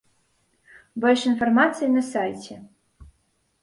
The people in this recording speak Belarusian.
Больш інфармацыі на сайце.